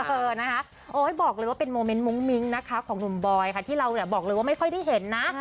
แบบนี้นะคะบอกเลยว่าเป็นโมมมุ้งมิ้งนะคะของหนุ่มบอยที่เราปากเรื่องว่าไม่ค่อยได้เห็นนะ